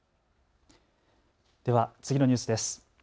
では次のニュースです。